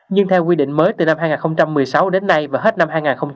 nhưng theo quy định mới từ năm hai nghìn một mươi sáu đến nay và hết năm hai nghìn hai mươi